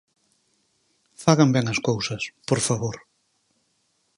Fagan ben as cousas, por favor.